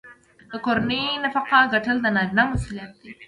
د کورنۍ نفقه ګټل د نارینه مسوولیت دی.